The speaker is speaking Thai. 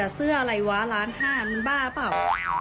เสื้ออะไรวะล้านห้ามึงบ้าเปล่า